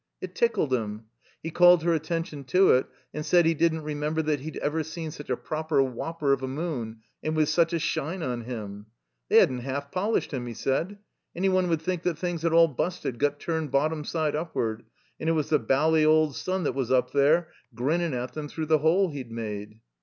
It tickled him. He called her attention to it, and said he didn't remember that he'd ever seen such a proper whopper of a moon and with such a shine on him. They ■hadn't half polished him, he said. Any one would think that things had all busted, got turned bottom side upward, and it was the bally old sun that was up there, grinnin' at them, through the hole he'd made.